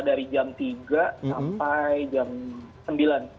dari jam tiga sampai jam sembilan